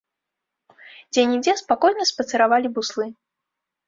Дзе-нідзе спакойна спацыравалі буслы.